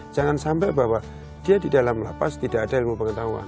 jangan sampai bahwa dia di dalam lapas tidak ada ilmu pengetahuan